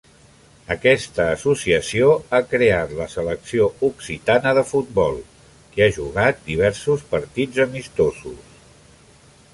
Aquesta associació ha creat la selecció occitana de futbol, que ha jugat diversos partits amistosos.